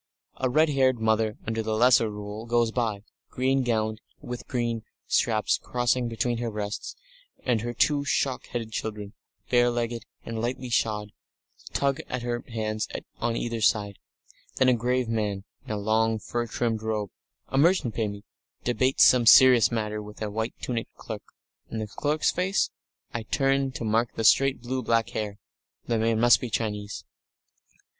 A red haired mother under the Lesser Rule goes by, green gowned, with dark green straps crossing between her breasts, and her two shock headed children, bare legged and lightly shod, tug at her hands on either side. Then a grave man in a long, fur trimmed robe, a merchant, maybe, debates some serious matter with a white tunicked clerk. And the clerk's face ? I turn to mark the straight, blue black hair. The man must be Chinese....